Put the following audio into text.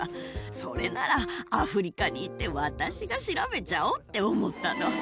それなら、アフリカに行って私が調べちゃおうって思ったの。